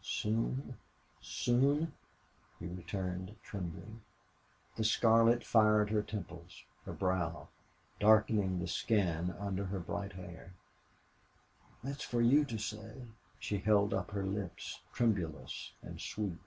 "Soon? Soon?" he returned, trembling. The scarlet fired her temples, her brow, darkening the skin under her bright hair. "That's for you to say." She held up her lips, tremulous and sweet.